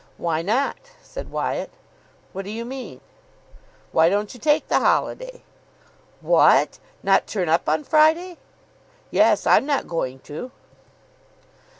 "Why not?" said Wyatt. "What do you mean?" "Why don't you take the holiday?" "What? Not turn up on Friday!" "Yes. I'm not going to."